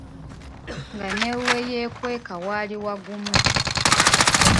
Nga ne we yeekweka waali wagumu.